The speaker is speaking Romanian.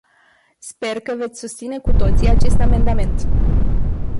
Sper că veți susține cu toții acest amendament.